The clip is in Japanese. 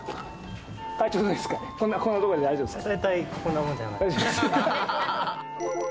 こんなところで大丈夫ですか？